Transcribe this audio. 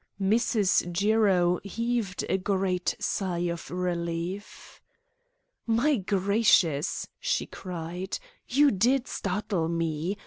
Mrs. Jiro heaved a great sigh of relief. "My gracious!" she cried, "you did startle me.